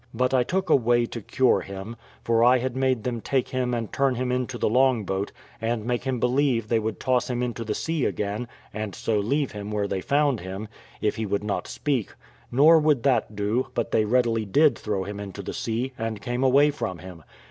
But I took a way to cure him: for I had made them take him and turn him into the long boat, and make him believe they would toss him into the sea again, and so leave him where they found him, if he would not speak; nor would that do, but they really did throw him into the sea, and came away from him.